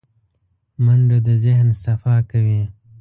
منډه د ذهن صفا کوي